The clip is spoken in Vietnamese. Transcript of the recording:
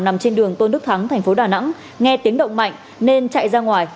nằm trên đường tôn đức thắng thành phố đà nẵng nghe tiếng động mạnh nên chạy ra ngoài